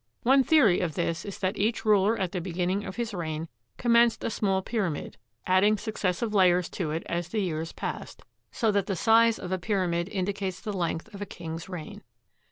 One theory of this is that each ruler at the beginning of his reign commenced a small pyramid, adding successive layers to it as the years passed; so that the size of a pyramid indicates the length of a king's reign.